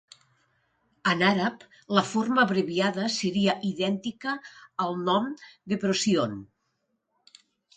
En àrab, la forma abreviada seria idèntica al nom de Procyon.